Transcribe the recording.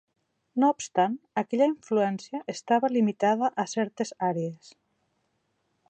No obstant, aquella influència estava limitada a certes àrees.